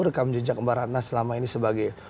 rekam jejak mbak ratna selama ini sebagai